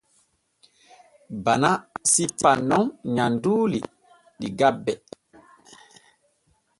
Bana sippan nun nyamduuli ɗi gabbe.